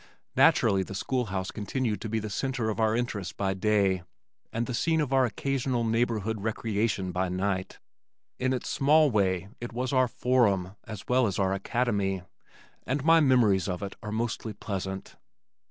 Naturally the school house continued to be the center of our interest by day and the scene of our occasional neighborhood recreation by night. In its small way it was our Forum as well as our Academy and my memories of it are mostly pleasant.